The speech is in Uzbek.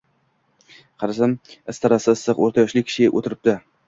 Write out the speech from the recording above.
Qarasam, istarasi issiq, o`rta yoshli kishi o`tiribdi